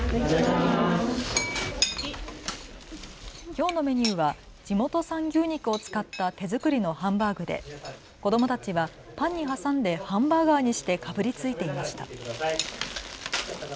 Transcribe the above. きょうのメニューは地元産牛肉を使った手作りのハンバーグで子どもたちはパンに挟んでハンバーガーにしてかぶりついていました。